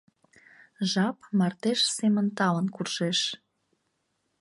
Жап мардеж семын талын куржеш.